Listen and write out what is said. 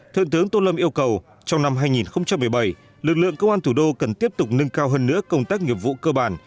thượng tướng tôn lâm yêu cầu trong năm hai nghìn một mươi bảy lực lượng công an thủ đô cần tiếp tục nâng cao hơn nữa công tác nghiệp vụ cơ bản